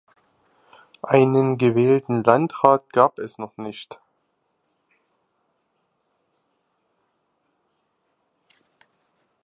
Einen gewählten Landrat gab es noch nicht.